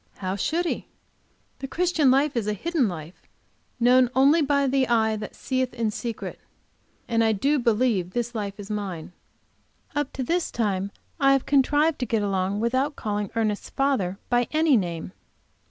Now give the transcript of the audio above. How should he? The Christian life is a hidden known only by the eye that seeth in secret. And I do believe this life is mine. Up to this time I have contrived to get along without calling Ernest's father by any name.